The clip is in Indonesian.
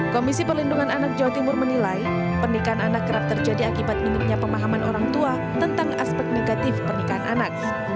komisi perlindungan anak jawa timur menilai pernikahan anak kerap terjadi akibat minimnya pemahaman orang tua tentang aspek negatif pernikahan anak